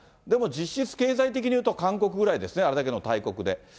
でも実質経済的にいうとかんこくぐらいですね、あれだけの大国で。